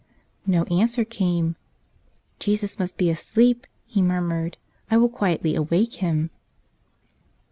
No answer came. "Jesus must be asleep," he mur¬ mured. "I will quietly awake Him."